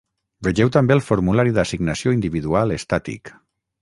Vegeu també el formulari d'assignació individual estàtic.